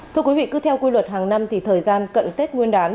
thưa quý vị cứ theo quy luật hàng năm thì thời gian cận tết nguyên đán